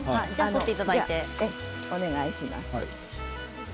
お願いします。